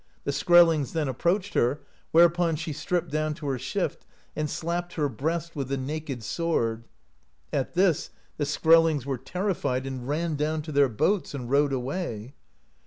The Skrellings then approached her, whereupon she stripped down her shift, and slapped her breast with the naked sword. At this the Skrellings were terrified and ran down to their boats, and rowed away.